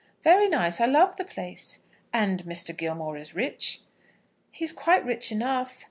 "Very nice; I love the place." "And Mr. Gilmore is rich?" "He is quite rich enough.